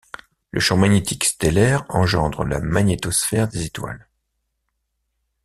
Le champ magnétique stellaire engendre la magnétosphère des étoiles.